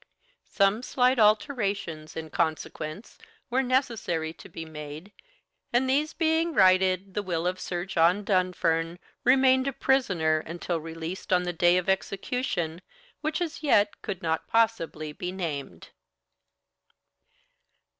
Some slight alterations, in consequence, were necessary to be made, and these being righted, the will of Sir John Dunfern remained a prisoner until released on the day of execution, which as yet could not possibly be named.